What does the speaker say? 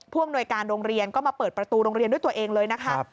อำนวยการโรงเรียนก็มาเปิดประตูโรงเรียนด้วยตัวเองเลยนะคะ